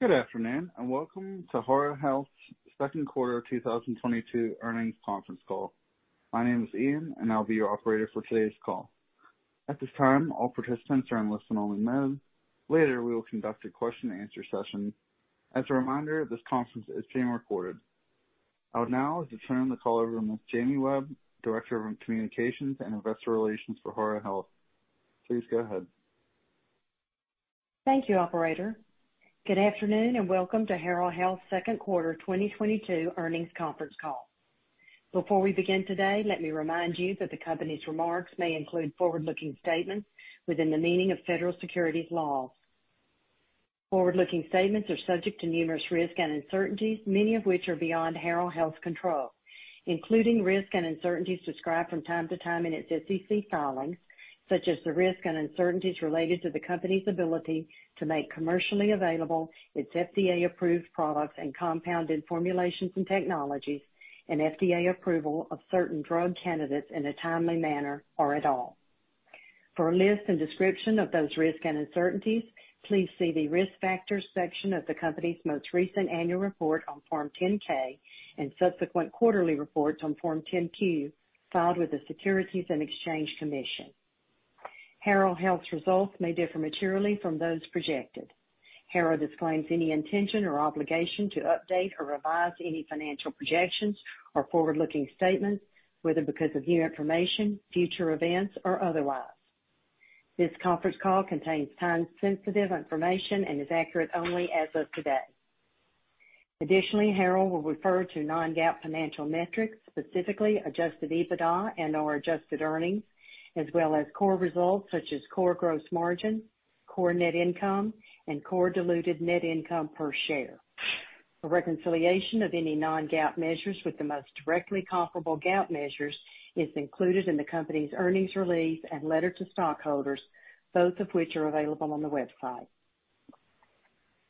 Good afternoon, and welcome to Harrow Health's second quarter 2022 earnings conference call. My name is Ian and I'll be your operator for today's call. At this time, all participants are in listen only mode. Later, we will conduct a question-and-answer session. As a reminder, this conference is being recorded. I would now like to turn the call over to Jamie Webb, Director of Communications and Investor Relations for Harrow Health. Please go ahead. Thank you, operator. Good afternoon and welcome to Harrow Health's second quarter 2022 earnings conference call. Before we begin today, let me remind you that the company's remarks may include forward-looking statements within the meaning of federal securities laws. Forward-looking statements are subject to numerous risks and uncertainties, many of which are beyond Harrow Health's control, including risks and uncertainties described from time to time in its SEC filings, such as the risks and uncertainties related to the company's ability to make commercially available its FDA approved products and compounded formulations and technologies and FDA approval of certain drug candidates in a timely manner or at all. For a list and description of those risks and uncertainties, please see the Risk Factors section of the company's most recent annual report on Form 10-K and subsequent quarterly reports on Form 10-Q filed with the Securities and Exchange Commission. Harrow Health's results may differ materially from those projected. Harrow disclaims any intention or obligation to update or revise any financial projections or forward-looking statements, whether because of new information, future events, or otherwise. This conference call contains time sensitive information and is accurate only as of today. Additionally, Harrow will refer to non-GAAP financial metrics, specifically adjusted EBITDA and/or adjusted earnings, as well as core results such as core gross margin, core net income, and core diluted net income per share. A reconciliation of any non-GAAP measures with the most directly comparable GAAP measures is included in the company's earnings release and letter to stockholders, both of which are available on the website.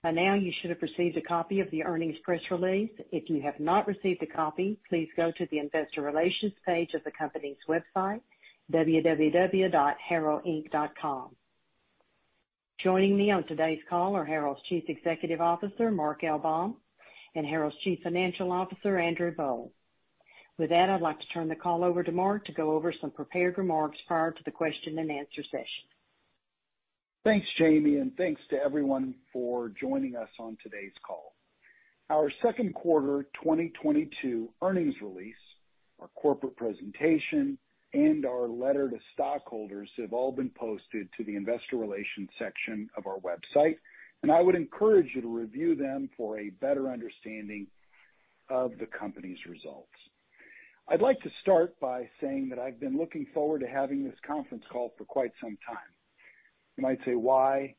By now you should have received a copy of the earnings press release. If you have not received a copy, please go to the investor relations page of the company's website, www.harrowinc.com. Joining me on today's call are Harrow's Chief Executive Officer, Mark Baum, and Harrow's Chief Financial Officer, Andrew Boll. With that, I'd like to turn the call over to Mark to go over some prepared remarks prior to the question-and-answer session. Thanks Jamie, and thanks to everyone for joining us on today's call. Our second quarter 2022 earnings release, our corporate presentation, and our letter to stockholders have all been posted to the investor relations section of our website, and I would encourage you to review them for a better understanding of the company's results. I'd like to start by saying that I've been looking forward to having this conference call for quite some time. You might say why?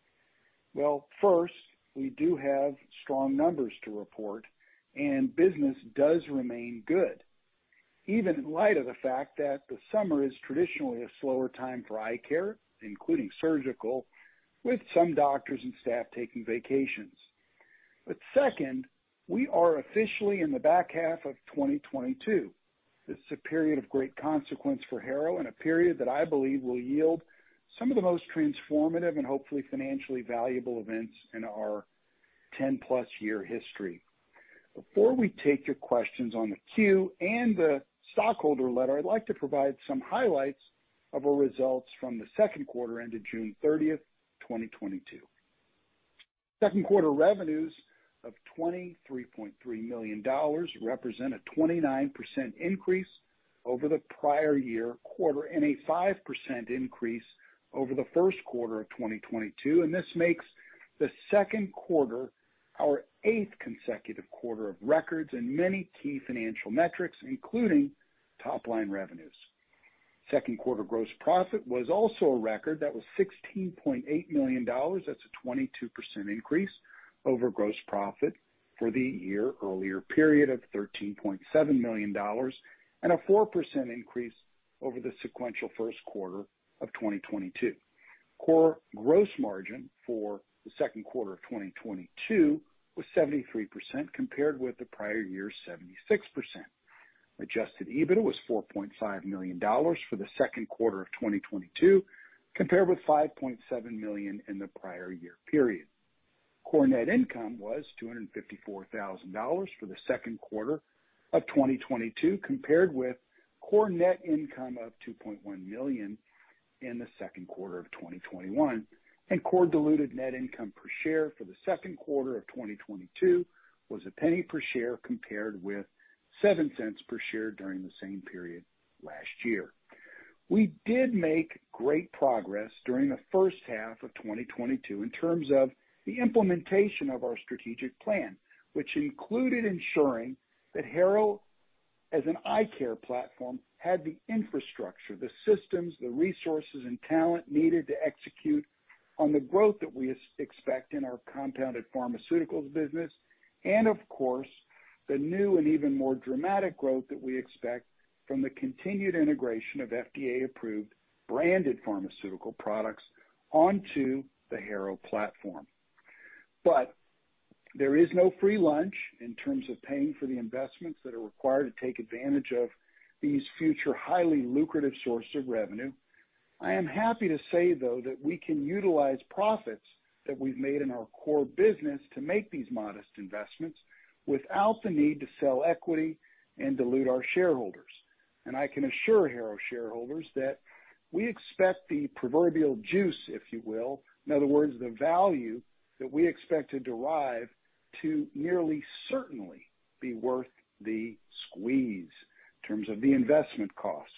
Well, first, we do have strong numbers to report and business does remain good, even in light of the fact that the summer is traditionally a slower time for eye care, including surgical, with some doctors and staff taking vacations. Second, we are officially in the back half of 2022. This is a period of great consequence for Harrow and a period that I believe will yield some of the most transformative and hopefully financially valuable events in our 10+ year history. Before we take your questions on the Q and the stockholder letter, I'd like to provide some highlights of our results from the second quarter ended June 30, 2022. Second quarter revenues of $23.3 million represent a 29% increase over the prior year quarter and a 5% increase over the first quarter of 2022. This makes the second quarter our eighth consecutive quarter of records in many key financial metrics, including top line revenues. Second quarter gross profit was also a record that was $16.8 million. That's a 22% increase over gross profit for the year earlier period of $13.7 million, and a 4% increase over the sequential first quarter of 2022. Core gross margin for the second quarter of 2022 was 73% compared with the prior year's 76%. Adjusted EBIT was $4.5 million for the second quarter of 2022, compared with $5.7 million in the prior year period. Core net income was $254,000 for the second quarter of 2022, compared with core net income of $2.1 million in the second quarter of 2021. Core diluted net income per share for the second quarter of 2022 was $0.01 per share compared with $0.07 per share during the same period last year. We did make great progress during the first half of 2022 in terms of the implementation of our strategic plan, which included ensuring that Harrow, as an eye care platform, had the infrastructure, the systems, the resources and talent needed to execute on the growth that we expect in our compounded pharmaceuticals business, and of course the new and even more dramatic growth that we expect from the continued integration of FDA approved branded pharmaceutical products onto the Harrow platform. There is no free lunch in terms of paying for the investments that are required to take advantage of these future highly lucrative sources of revenue. I am happy to say, though, that we can utilize profits that we've made in our core business to make these modest investments without the need to sell equity and dilute our shareholders. I can assure Harrow shareholders that we expect the proverbial juice, if you will, in other words, the value that we expect to derive, to nearly certainly be worth the squeeze in terms of the investment cost.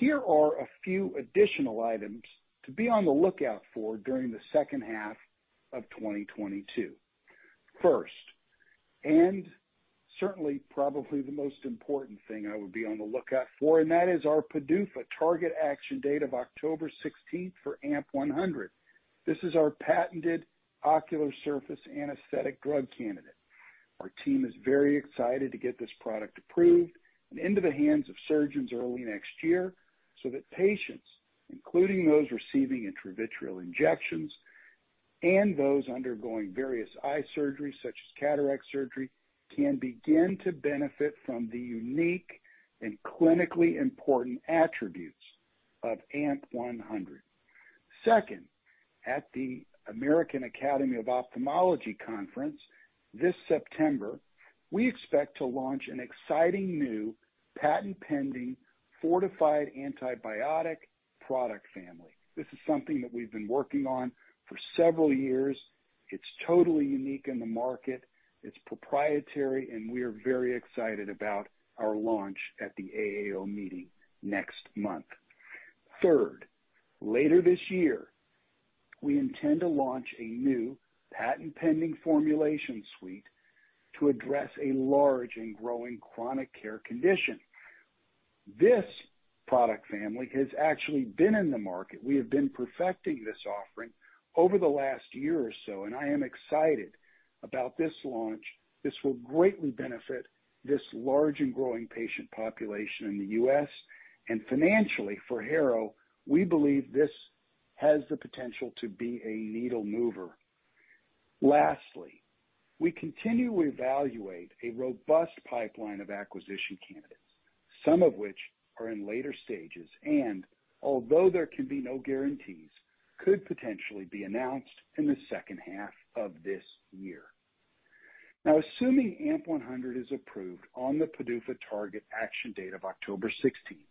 Here are a few additional items to be on the lookout for during the second half of 2022. First, and certainly probably the most important thing I would be on the lookout for, and that is our PDUFA target action date of October sixteenth for AMP-100. This is our patented ocular surface anesthetic drug candidate. Our team is very excited to get this product approved and into the hands of surgeons early next year so that patients, including those receiving intravitreal injections and those undergoing various eye surgeries such as cataract surgery, can begin to benefit from the unique and clinically important attributes of AMP-100. Second, at the American Academy of Ophthalmology conference this September, we expect to launch an exciting new patent pending fortified antibiotic product family. This is something that we've been working on for several years. It's totally unique in the market. It's proprietary, and we are very excited about our launch at the AAO meeting next month. Third, later this year, we intend to launch a new patent pending formulation suite to address a large and growing chronic care condition. This product family has actually been in the market. We have been perfecting this offering over the last year or so, and I am excited about this launch. This will greatly benefit this large and growing patient population in the U.S. Financially, for Harrow, we believe this has the potential to be a needle mover. Lastly, we continue to evaluate a robust pipeline of acquisition candidates, some of which are in later stages, and although there can be no guarantees, could potentially be announced in the second half of this year. Now, assuming AMP-100 is approved on the PDUFA target action date of October sixteenth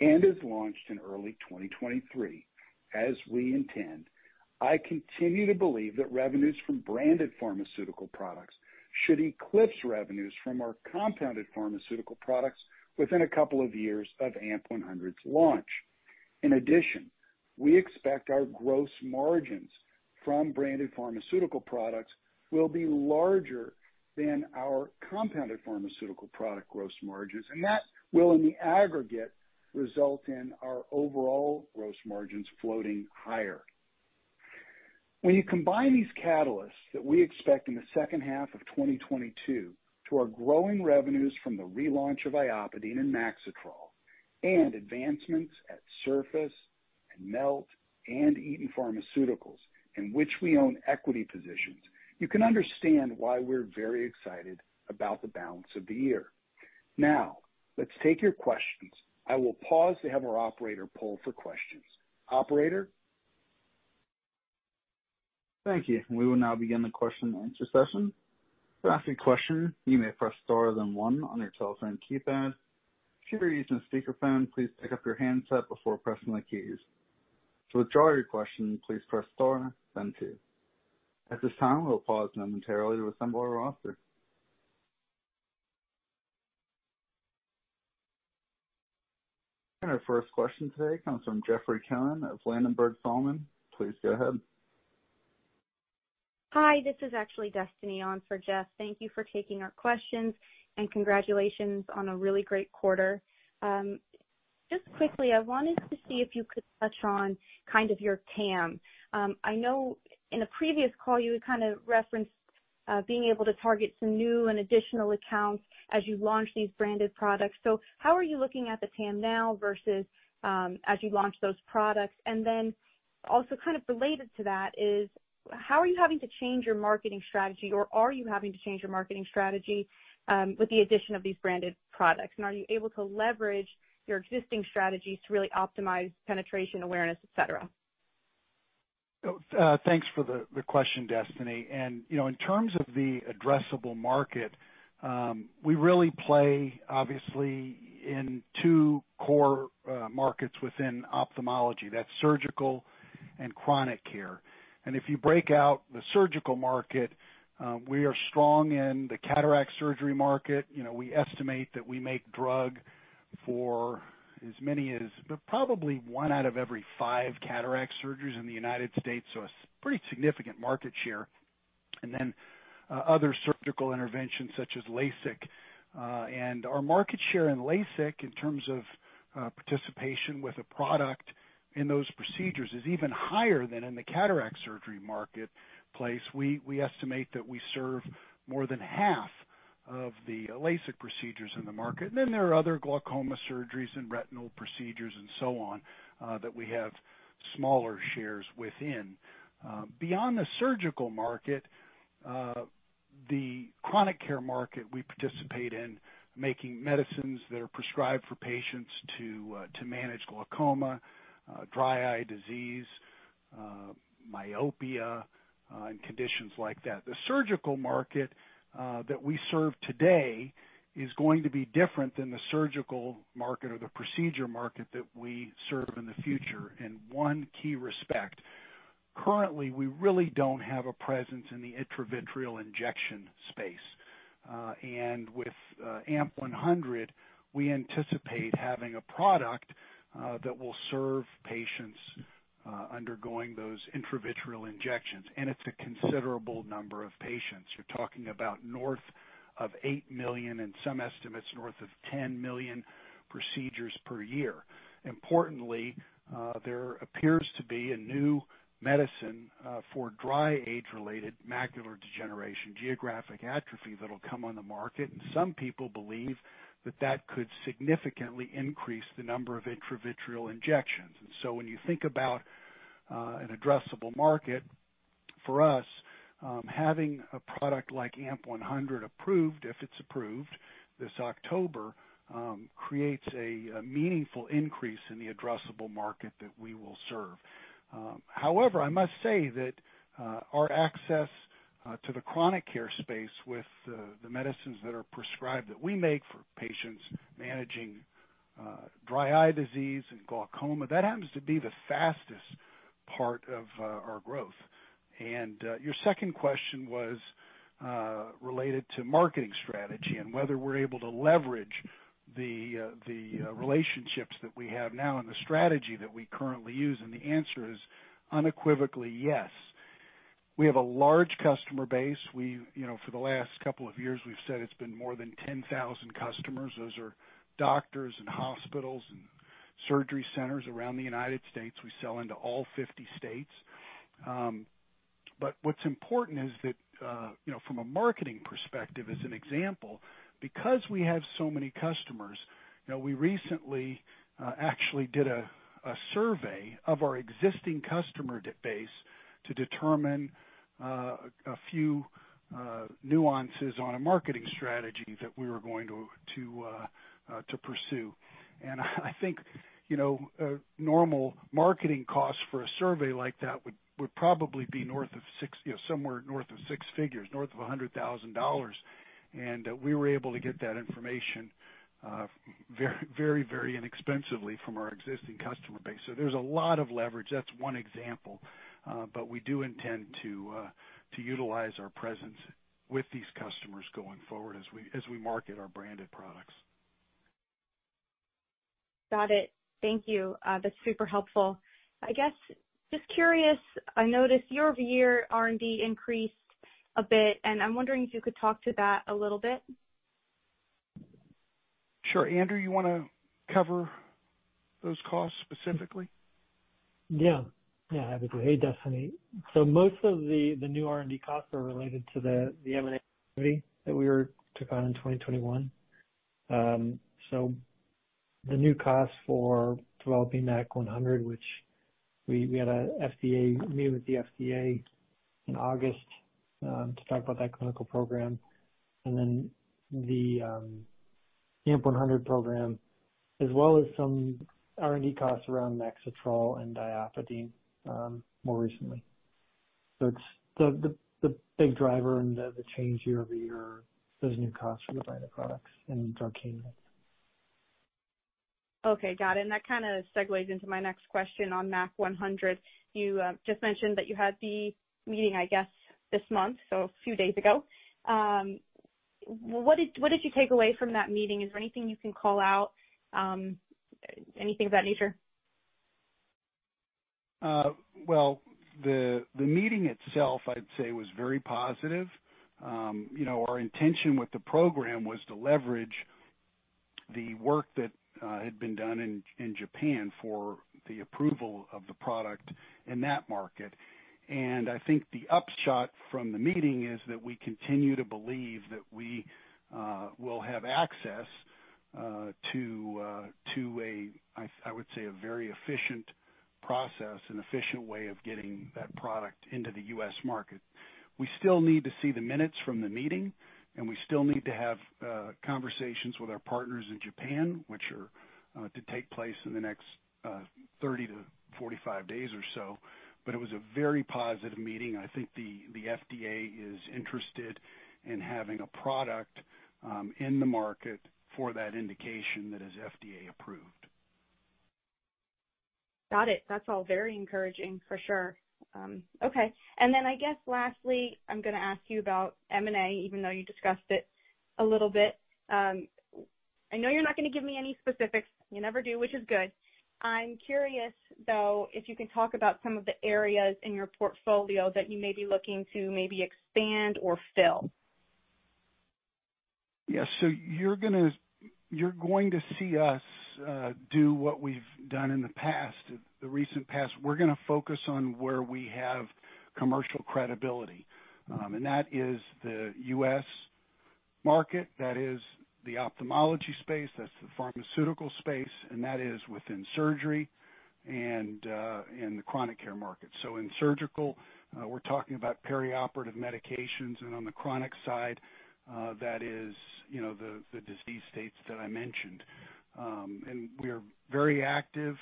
and is launched in early 2023, as we intend, I continue to believe that revenues from branded pharmaceutical products should eclipse revenues from our compounded pharmaceutical products within a couple of years of AMP-100's launch. In addition, we expect our gross margins from branded pharmaceutical products will be larger than our compounded pharmaceutical product gross margins, and that will, in the aggregate, result in our overall gross margins floating higher. When you combine these catalysts that we expect in the second half of 2022 to our growing revenues from the relaunch of IOPIDINE and MAXITROL and advancements at Surface Ophthalmics and Melt Pharmaceuticals and Eton Pharmaceuticals in which we own equity positions, you can understand why we're very excited about the balance of the year. Now let's take your questions. I will pause to have our operator poll for questions. Operator. Thank you. We will now begin the question-and-answer session. To ask a question, you may press star then one on your telephone keypad. If you're using a speakerphone, please pick up your handset before pressing the keys. To withdraw your question, please press star then two. At this time, we'll pause momentarily to assemble our roster. Our first question today comes from Jeffrey Cohen of Ladenburg Thalmann. Please go ahead. Hi, this is actually Destiny on for Jeff. Thank you for taking our questions and congratulations on a really great quarter. Just quickly, I wanted to see if you could touch on kind of your TAM. I know in a previous call you had kind of referenced being able to target some new and additional accounts as you launch these branded products. How are you looking at the TAM now versus as you launch those products? Then also kind of related to that is how are you having to change your marketing strategy? Or are you having to change your marketing strategy with the addition of these branded products? Are you able to leverage your existing strategies to really optimize penetration, awareness, et cetera? Thanks for the question, Destiny. You know, in terms of the addressable market, we really play obviously in two core markets within ophthalmology. That's surgical and chronic care. If you break out the surgical market, we are strong in the cataract surgery market. You know, we estimate that we make drug for as many as probably 1 out of every 5 cataract surgeries in the United States, so a pretty significant market share. Then, other surgical interventions such as LASIK. Our market share in LASIK in terms of participation with a product in those procedures is even higher than in the cataract surgery marketplace. We estimate that we serve more than half Of the LASIK procedures in the market. There are other glaucoma surgeries and retinal procedures and so on, that we have smaller shares within. Beyond the surgical market, the chronic care market, we participate in making medicines that are prescribed for patients to manage glaucoma, dry eye disease, myopia, and conditions like that. The surgical market that we serve today is going to be different than the surgical market or the procedure market that we serve in the future in one key respect. Currently, we really don't have a presence in the intravitreal injection space. With IHEEZO, we anticipate having a product that will serve patients undergoing those intravitreal injections. It's a considerable number of patients. You're talking about north of 8 million and some estimates, north of 10 million procedures per year. Importantly, there appears to be a new medicine for dry age-related macular degeneration, geographic atrophy, that'll come on the market, and some people believe that that could significantly increase the number of intravitreal injections. When you think about an addressable market for us, having a product like IHEEZO approved, if it's approved this October, creates a meaningful increase in the addressable market that we will serve. However, I must say that our access to the chronic care space with the medicines that are prescribed that we make for patients managing dry eye disease and glaucoma, that happens to be the fastest part of our growth. Your second question was related to marketing strategy and whether we're able to leverage the relationships that we have now and the strategy that we currently use, and the answer is unequivocally yes. We have a large customer base. You know, for the last couple of years, we've said it's been more than 10,000 customers. Those are doctors and hospitals and surgery centers around the United States. We sell into all 50 states. What's important is that you know, from a marketing perspective, as an example, because we have so many customers, you know, we recently actually did a survey of our existing customer base to determine a few nuances on a marketing strategy that we were going to pursue. I think, you know, a normal marketing cost for a survey like that would probably be north of six, you know, somewhere north of six figures, north of $100,000. We were able to get that information very, very inexpensively from our existing customer base. There's a lot of leverage. That's one example. We do intend to utilize our presence with these customers going forward as we market our branded products. Got it. Thank you. That's super helpful. I guess, just curious, I noticed year-over-year R&D increased a bit, and I'm wondering if you could talk to that a little bit. Sure. Andrew, you wanna cover those costs specifically? Yeah. Yeah, happy to. Hey, Stephanie. Most of the new R&D costs are related to the M&A that we took on in 2021. The new costs for developing MAC-100, which we had a meeting with the FDA in August to talk about that clinical program, and then the IHEEZO program, as well as some R&D costs around MAXITROL and Dioctadecyl more recently. It's the big driver and the change year-over-year, those new costs for the line of products and Darkane. Okay, got it. That kinda segues into my next question on MAC-100. You just mentioned that you had the meeting, I guess, this month, so a few days ago. What did you take away from that meeting? Is there anything you can call out, anything of that nature? Well, the meeting itself, I'd say was very positive. You know, our intention with the program was to leverage the work that had been done in Japan for the approval of the product in that market. I think the upshot from the meeting is that we continue to believe that we will have access to a very efficient process and efficient way of getting that product into the U.S. market. We still need to see the minutes from the meeting, and we still need to have conversations with our partners in Japan, which are to take place in the next 30-45 days or so. It was a very positive meeting. I think the FDA is interested in having a product in the market for that indication that is FDA approved. Got it. That's all very encouraging for sure. Okay. I guess lastly, I'm gonna ask you about M&A, even though you discussed it a little bit. I know you're not gonna give me any specifics. You never do, which is good. I'm curious, though, if you can talk about some of the areas in your portfolio that you may be looking to maybe expand or fill. Yeah. You're going to see us do what we've done in the past, the recent past. We're going to focus on where we have commercial credibility, and that is the U.S. market. That is the ophthalmology space, that's the pharmaceutical space, and that is within surgery and in the chronic care market. In surgical, we're talking about perioperative medications, and on the chronic side, that is, you know, the disease states that I mentioned. And we are very active.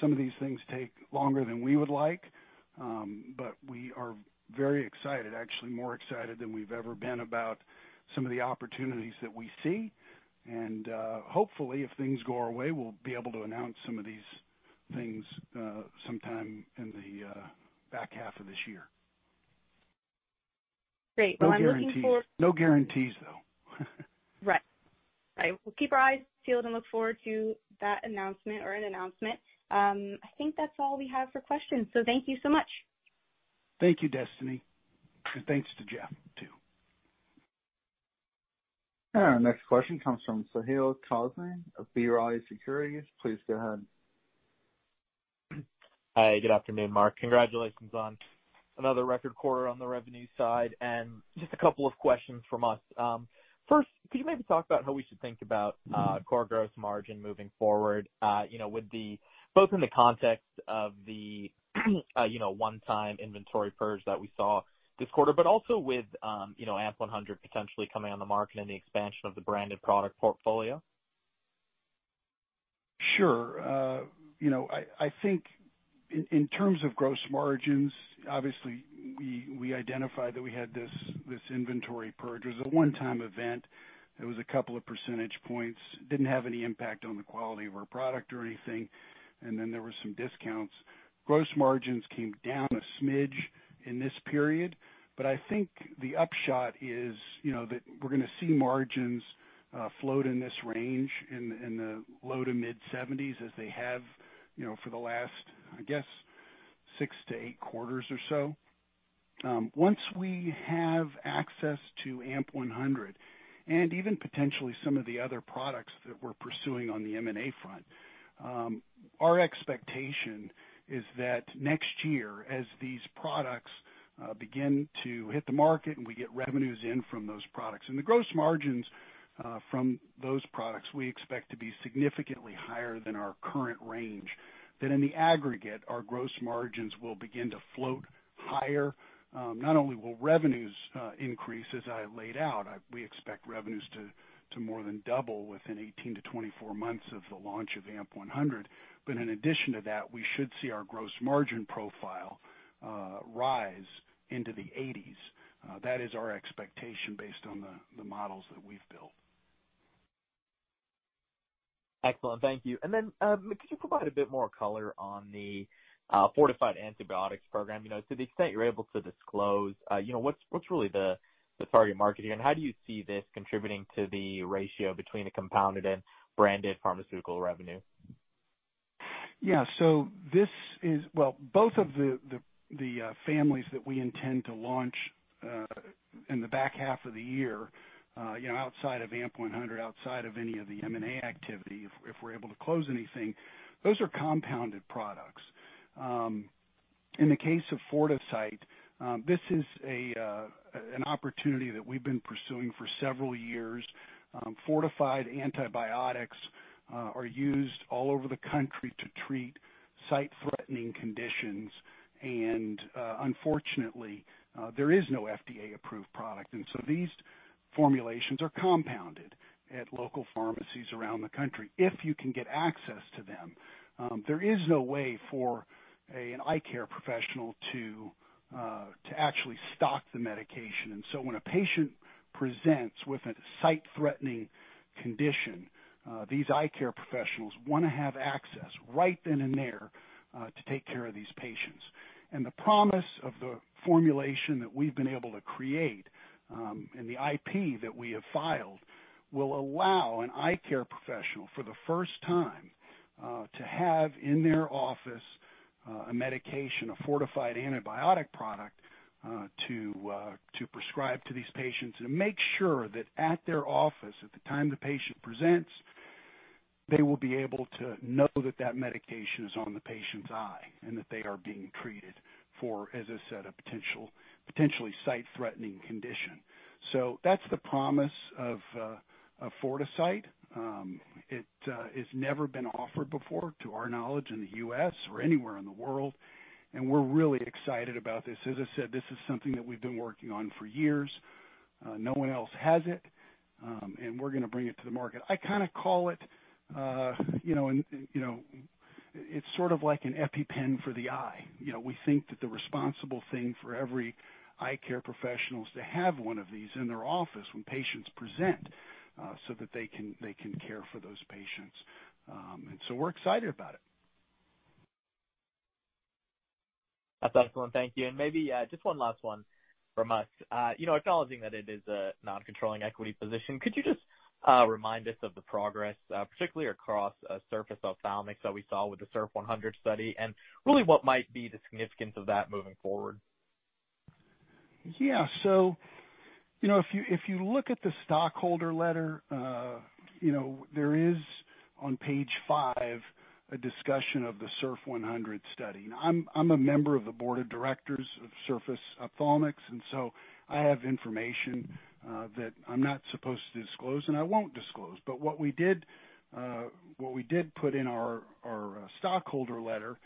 Some of these things take longer than we would like, but we are very excited, actually more excited than we've ever been about some of the opportunities that we see. Hopefully, if things go our way, we'll be able to announce some of these things sometime in the back half of this year. Great. Well, I'm looking for. No guarantees, though. Right. We'll keep our eyes peeled and look forward to that announcement or an announcement. I think that's all we have for questions, so thank you so much. Thank you, Destiny. Thanks to Jeff too. Our next question comes from Sahil Kazmi of B. Riley Securities. Please go ahead. Hi, good afternoon, Mark. Congratulations on another record quarter on the revenue side, and just a couple of questions from us. First, could you maybe talk about how we should think about, core gross margin moving forward, you know, with the, both in the context of the, you know, one-time inventory purge that we saw this quarter, but also with, you know, IHEEZO potentially coming on the market and the expansion of the branded product portfolio? Sure. You know, I think in terms of gross margins, obviously we identified that we had this inventory purge. It was a one-time event. It was a couple of percentage points, didn't have any impact on the quality of our product or anything, and then there were some discounts. Gross margins came down a smidge in this period, but I think the upshot is, you know, that we're gonna see margins float in this range in the low- to mid-70s% as they have, you know, for the last, I guess, 6-8 quarters or so. Once we have access to IHEEZO and even potentially some of the other products that we're pursuing on the M&A front, our expectation is that next year, as these products begin to hit the market and we get revenues in from those products and the gross margins from those products we expect to be significantly higher than our current range, that in the aggregate our gross margins will begin to float higher. Not only will revenues increase as I laid out, we expect revenues to more than double within 18-24 months of the launch of IHEEZO. In addition to that, we should see our gross margin profile rise into the 80s%. That is our expectation based on the models that we've built. Excellent. Thank you. Then, could you provide a bit more color on the fortified antibiotics program? You know, to the extent you're able to disclose, you know, what's really the target market here, and how do you see this contributing to the ratio between the compounded and branded pharmaceutical revenue? This is both of the families that we intend to launch in the back half of the year, you know, outside of IHEEZO, outside of any of the M&A activity, if we're able to close anything, those are compounded products. In the case of Fortisite, this is an opportunity that we've been pursuing for several years. Fortified antibiotics are used all over the country to treat sight-threatening conditions, and unfortunately, there is no FDA-approved product. These formulations are compounded at local pharmacies around the country if you can get access to them. There is no way for an eye care professional to actually stock the medication. When a patient presents with a sight-threatening condition, these eye care professionals wanna have access right then and there to take care of these patients. The promise of the formulation that we've been able to create and the IP that we have filed will allow an eye care professional for the first time to have in their office a medication, a fortified antibiotic product to prescribe to these patients and make sure that at their office at the time the patient presents, they will be able to know that that medication is on the patient's eye and that they are being treated for, as I said, a potentially sight-threatening condition. That's the promise of Fortisite. It's never been offered before to our knowledge in the U.S. or anywhere in the world, and we're really excited about this. As I said, this is something that we've been working on for years. No one else has it, and we're gonna bring it to the market. I kinda call it, you know, it's sort of like an EpiPen for the eye. You know, we think that the responsible thing for every eye care professional is to have one of these in their office when patients present, so that they can care for those patients. We're excited about it. That's excellent. Thank you. Maybe, just one last one from us. You know, acknowledging that it is a non-controlling equity position, could you just remind us of the progress, particularly across Surface Ophthalmics that we saw with the SURF-100 study, and really what might be the significance of that moving forward? Yeah. If you look at the stockholder letter, there is on page five a discussion of the SURF-100 study. I'm a member of the board of directors of Surface Ophthalmics, and I have information that I'm not supposed to disclose, and I won't disclose. What we did put in our stockholder letter is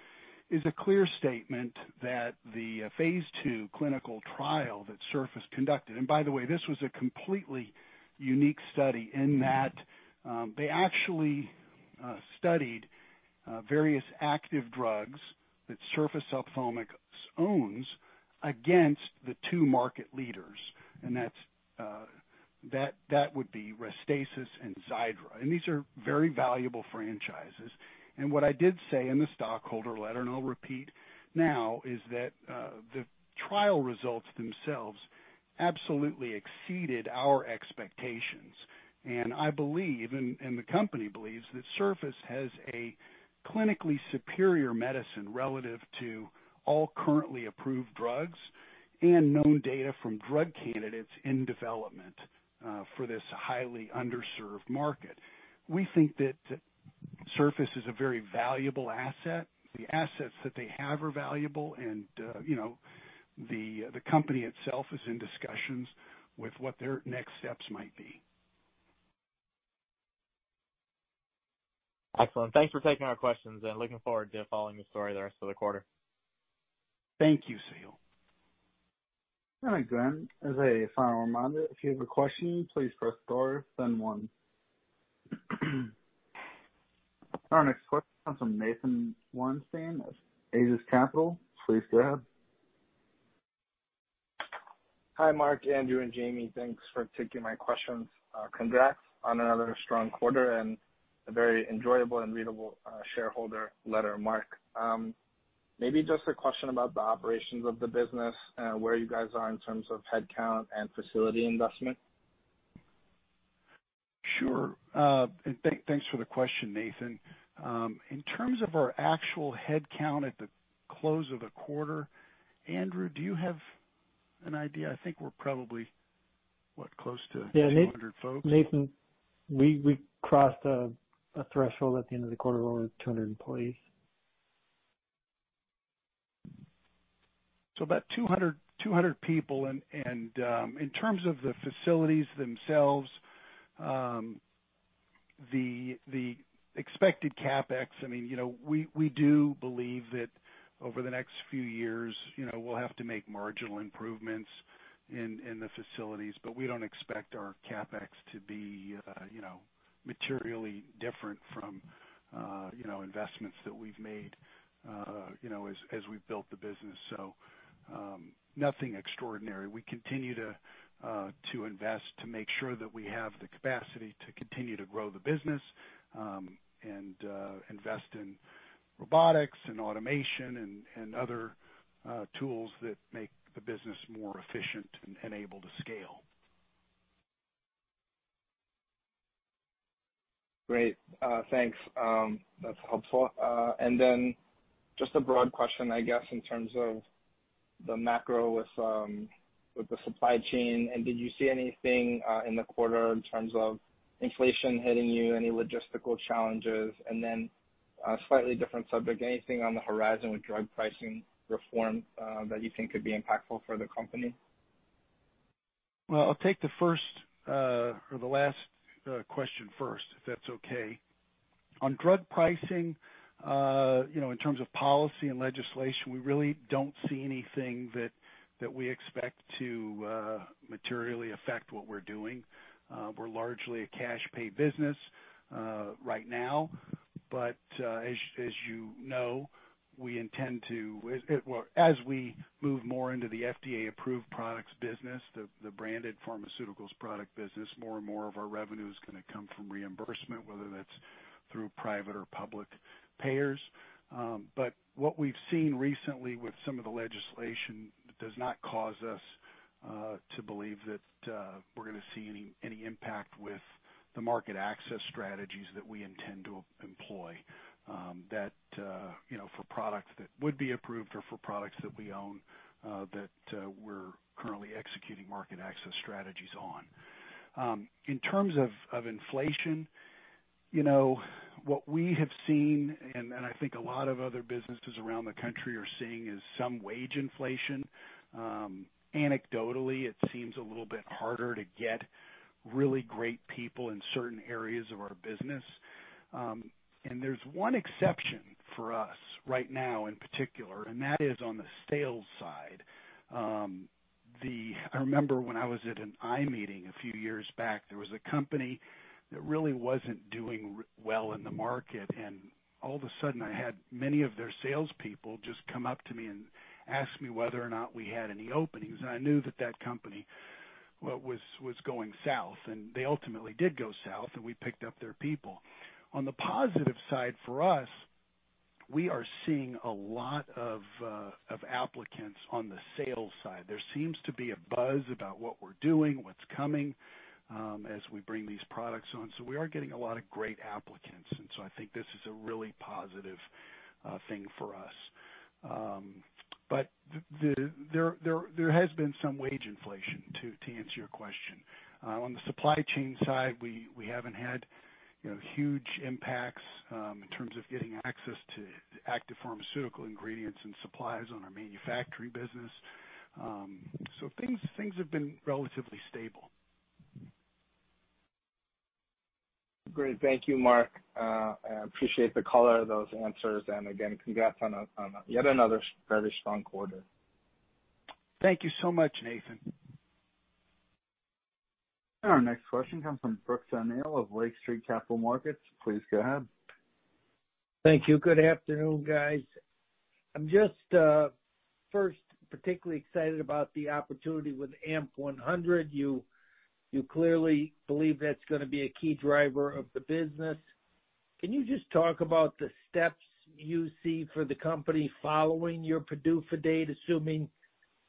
a clear statement that the phase two clinical trial that Surface conducted. By the way, this was a completely unique study in that they actually studied various active drugs that Surface Ophthalmics owns against the two market leaders. That would be Restasis and Xiidra. These are very valuable franchises. What I did say in the stockholder letter, and I'll repeat now, is that, the trial results themselves absolutely exceeded our expectations. I believe, and the company believes, that Surface has a clinically superior medicine relative to all currently approved drugs and known data from drug candidates in development, for this highly underserved market. We think that Surface is a very valuable asset. The assets that they have are valuable, and, you know, the company itself is in discussions with what their next steps might be. Excellent. Thanks for taking our questions, and looking forward to following the story the rest of the quarter. Thank you, Sahil. All right, Glenn, as a final reminder, if you have a question, please press star, then one. Our next question comes from Nathan Weinstein of Aegis Capital. Please go ahead. Hi, Mark, Andrew, and Jamie. Thanks for taking my questions. Congrats on another strong quarter and a very enjoyable and readable shareholder letter, Mark. Maybe just a question about the operations of the business, where you guys are in terms of headcount and facility investment. Sure. Thanks for the question, Nathan. In terms of our actual headcount at the close of the quarter, Andrew, do you have an idea? I think we're probably close to 200 folks. Yeah, Nathan, we crossed a threshold at the end of the quarter of over 200 employees. About 200 people. In terms of the facilities themselves, the expected CapEx, I mean, you know, we do believe that over the next few years, you know, we'll have to make marginal improvements in the facilities, but we don't expect our CapEx to be, you know, materially different from, you know, investments that we've made, you know, as we've built the business. Nothing extraordinary. We continue to invest to make sure that we have the capacity to continue to grow the business, and invest in robotics and automation and other tools that make the business more efficient and able to scale. Great. Thanks. That's helpful. Just a broad question, I guess, in terms of the macro with the supply chain, and did you see anything in the quarter in terms of inflation hitting you, any logistical challenges? Slightly different subject, anything on the horizon with drug pricing reform that you think could be impactful for the company? Well, I'll take the first, or the last, question first, if that's okay. On drug pricing, you know, in terms of policy and legislation, we really don't see anything that we expect to materially affect what we're doing. We're largely a cash pay business right now. As you know, well, as we move more into the FDA-approved products business, the branded pharmaceuticals product business, more and more of our revenue is gonna come from reimbursement, whether that's through private or public payers. What we've seen recently with some of the legislation does not cause us to believe that we're gonna see any impact with the market access strategies that we intend to employ, you know, for products that would be approved or for products that we own, that we're currently executing market access strategies on. In terms of inflation, you know, what we have seen, and I think a lot of other businesses around the country are seeing, is some wage inflation. Anecdotally, it seems a little bit harder to get really great people in certain areas of our business. There's one exception for us right now in particular, and that is on the sales side. I remember when I was at an eye meeting a few years back, there was a company that really wasn't doing well in the market, and all of a sudden, I had many of their salespeople just come up to me and ask me whether or not we had any openings. I knew that company, well, was going south, and they ultimately did go south, and we picked up their people. On the positive side, for us, we are seeing a lot of applicants on the sales side. There seems to be a buzz about what we're doing, what's coming as we bring these products on. We are getting a lot of great applicants, and I think this is a really positive thing for us. There has been some wage inflation to answer your question. On the supply chain side, we haven't had, you know, huge impacts in terms of getting access to active pharmaceutical ingredients and supplies on our manufacturing business. Things have been relatively stable. Great. Thank you, Mark. I appreciate the color of those answers. Again, congrats on yet another very strong quarter. Thank you so much, Nathan. Our next question comes from Brooks O'Neil of Lake Street Capital Markets. Please go ahead. Thank you. Good afternoon, guys. I'm just first particularly excited about the opportunity with IHEEZO. You clearly believe that's gonna be a key driver of the business. Can you just talk about the steps you see for the company following your PDUFA date, assuming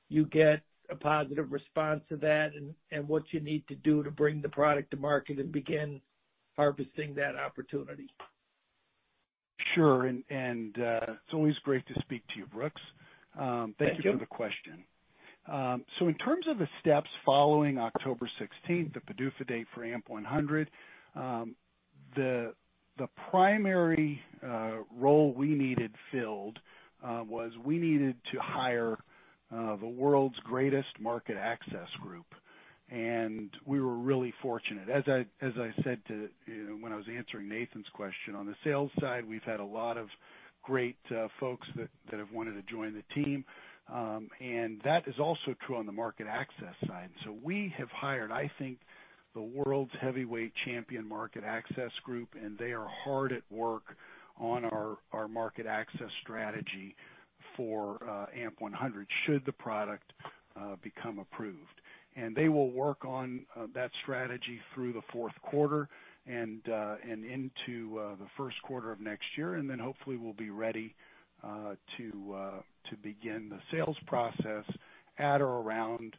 you get a positive response to that, and what you need to do to bring the product to market and begin harvesting that opportunity? Sure. It's always great to speak to you, Brooks. Thank you. Thank you for the question. In terms of the steps following October sixteenth, the PDUFA date for IHEEZO, the primary role we needed filled was to hire the world's greatest market access group. We were really fortunate. As I said to, you know, when I was answering Nathan's question, on the sales side, we've had a lot of great folks that have wanted to join the team. That is also true on the market access side. We have hired, I think, the world's heavyweight champion market access group, and they are hard at work on our market access strategy for IHEEZO should the product become approved. They will work on that strategy through the fourth quarter and into the first quarter of next year. Hopefully we'll be ready to begin the sales process at or around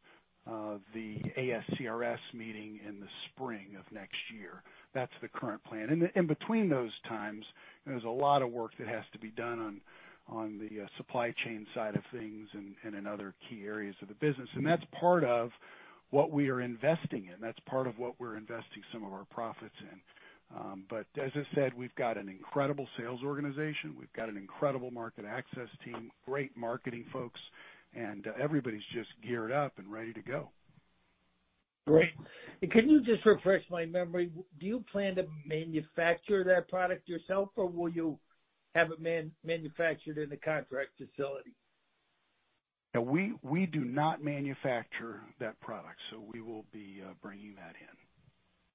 the ASCRS meeting in the spring of next year. That's the current plan. In between those times, there's a lot of work that has to be done on the supply chain side of things and in other key areas of the business. That's part of what we are investing in. That's part of what we're investing some of our profits in. As I said, we've got an incredible sales organization. We've got an incredible market access team, great marketing folks, and everybody's just geared up and ready to go. Great. Can you just refresh my memory, do you plan to manufacture that product yourself, or will you have it manufactured in the contract facility? No, we do not manufacture that product, so we will be bringing that in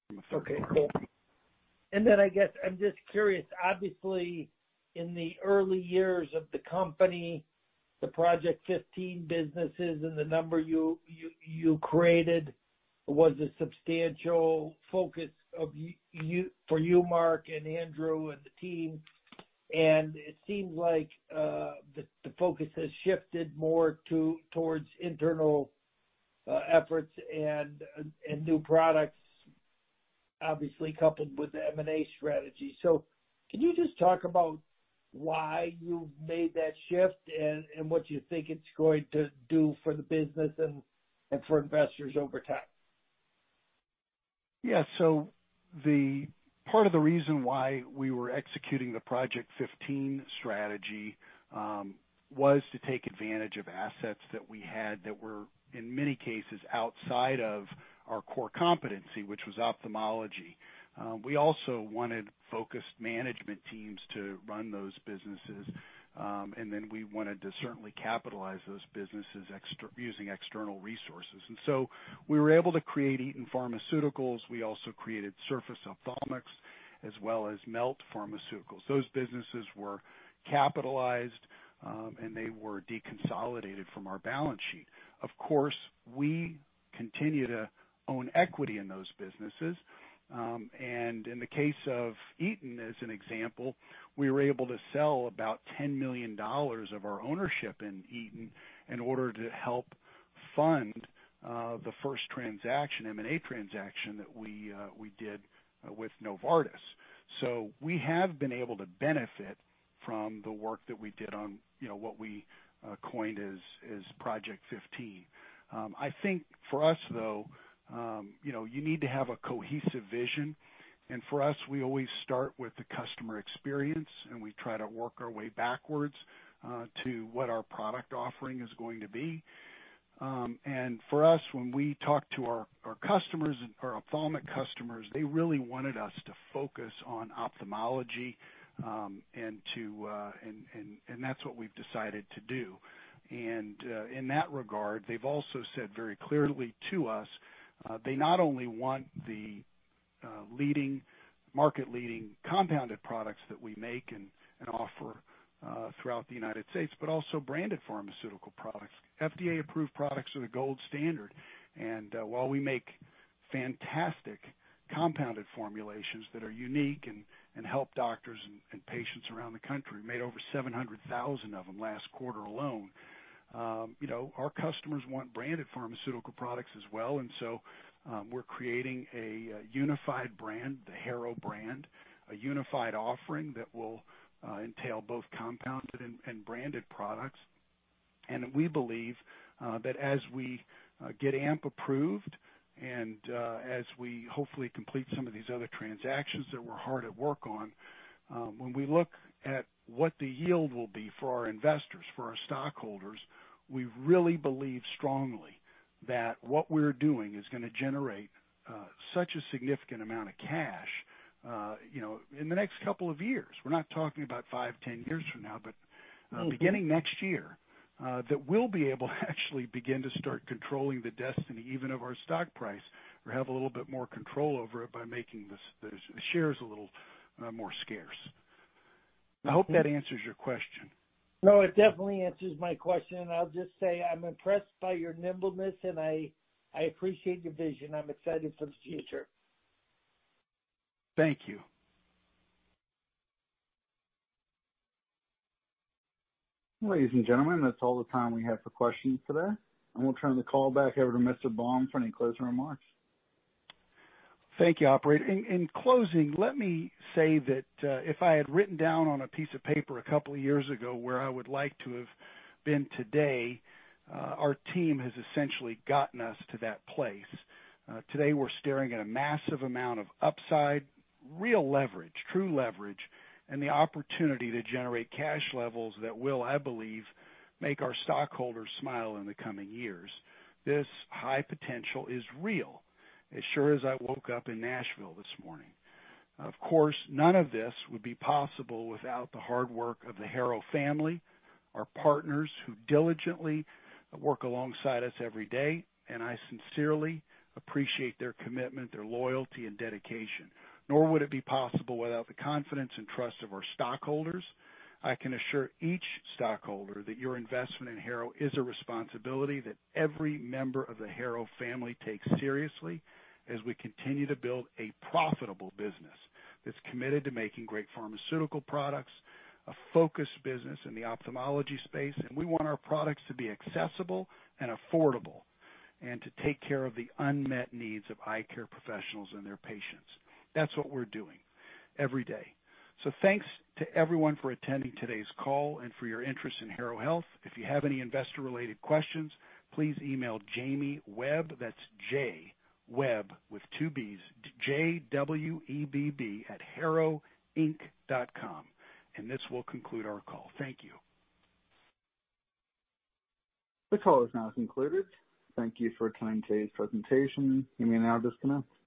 from a third party. Okay, cool. I guess I'm just curious. Obviously, in the early years of the company, the Project 15 businesses and the number you created was a substantial focus for you, Mark and Andrew and the team. It seems like the focus has shifted more towards internal efforts and new products, obviously coupled with the M&A strategy. Can you just talk about why you made that shift and what you think it's going to do for the business and for investors over time? Yeah. The part of the reason why we were executing the Project 15 strategy was to take advantage of assets that we had that were, in many cases, outside of our core competency, which was ophthalmology. We also wanted focused management teams to run those businesses, and then we wanted to certainly capitalize those businesses using external resources. We were able to create Eton Pharmaceuticals. We also created Surface Ophthalmics as well as Melt Pharmaceuticals. Those businesses were capitalized, and they were deconsolidated from our balance sheet. Of course, we continue to own equity in those businesses. In the case of Eton, as an example, we were able to sell about $10 million of our ownership in Eton in order to help fund the first transaction, M&A transaction that we did with Novartis. We have been able to benefit from the work that we did on, you know, what we coined as Project 15. I think for us, though, you know, you need to have a cohesive vision. For us, we always start with the customer experience, and we try to work our way backwards to what our product offering is going to be. For us, when we talk to our customers, our ophthalmic customers, they really wanted us to focus on ophthalmology, and that's what we've decided to do. In that regard, they've also said very clearly to us, they not only want the market-leading compounded products that we make and offer throughout the United States, but also branded pharmaceutical products. FDA-approved products are the gold standard. While we make fantastic compounded formulations that are unique and help doctors and patients around the country, made over 700,000 of them last quarter alone. You know, our customers want branded pharmaceutical products as well. We're creating a unified brand, the Harrow brand, a unified offering that will entail both compounded and branded products. We believe that as we get AMP approved and as we hopefully complete some of these other transactions that we're hard at work on, when we look at what the yield will be for our investors, for our stockholders, we really believe strongly that what we're doing is gonna generate such a significant amount of cash, you know, in the next couple of years. We're not talking about 5, 10 years from now, but beginning next year that we'll be able to actually begin to start controlling the destiny even of our stock price, or have a little bit more control over it by making those shares a little more scarce. I hope that answers your question. No, it definitely answers my question. I'll just say, I'm impressed by your nimbleness, and I appreciate your vision. I'm excited for the future. Thank you. Ladies and gentlemen, that's all the time we have for questions today. We'll turn the call back over to Mr. Baum for any closing remarks. Thank you, operator. In closing, let me say that if I had written down on a piece of paper a couple of years ago where I would like to have been today, our team has essentially gotten us to that place. Today we're staring at a massive amount of upside, real leverage, true leverage, and the opportunity to generate cash levels that will, I believe, make our stockholders smile in the coming years. This high potential is real, as sure as I woke up in Nashville this morning. Of course, none of this would be possible without the hard work of the Harrow family, our partners who diligently work alongside us every day. I sincerely appreciate their commitment, their loyalty, and dedication. Nor would it be possible without the confidence and trust of our stockholders. I can assure each stockholder that your investment in Harrow is a responsibility that every member of the Harrow family takes seriously as we continue to build a profitable business that's committed to making great pharmaceutical products, a focused business in the ophthalmology space. We want our products to be accessible and affordable, and to take care of the unmet needs of eye care professionals and their patients. That's what we're doing every day. Thanks to everyone for attending today's call and for your interest in Harrow Health. If you have any investor-related questions, please email Jamie Webb. That's J Webb with two Bs. J-W-E-B-B at harrowinc.com. This will conclude our call. Thank you. This call is now concluded. Thank you for attending today's presentation. You may now disconnect.